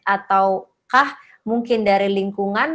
ataukah mungkin dari lingkungan